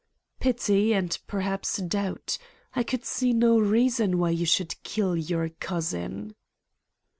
"Pity, and perhaps doubt. I could see no reason why you should kill your cousin."